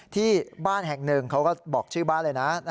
ที่บ้านแห่งหนึ่งเขาก็บอกชื่อบ้านเลยนะ